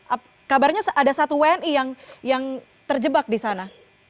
apa kabarnya ada satu wni yang terjebak di sana